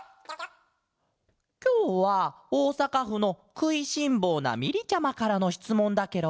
きょうはおおさかふの「くいしんぼうなみり」ちゃまからのしつもんだケロ！